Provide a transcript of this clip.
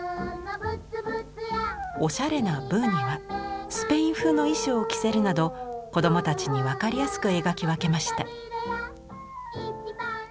おしゃれなブーにはスペイン風の衣装を着せるなど子どもたちに分かりやすく描き分けました。